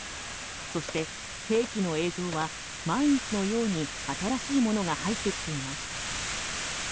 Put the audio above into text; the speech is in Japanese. そして、兵器の映像は毎日のように新しいものが入ってきています。